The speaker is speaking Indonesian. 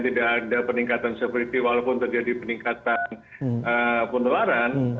tidak ada peningkatan severity walaupun terjadi peningkatan penularan